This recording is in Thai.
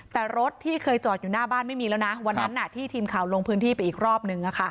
แต่รถที่เคยจอดอยู่หน้าบ้านไม่มีแล้วนะวันนั้นที่ทีมข่าวลงพื้นที่ไปอีกรอบนึง